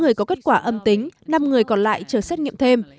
một người có kết quả âm tính năm người còn lại chờ xét nghiệm thêm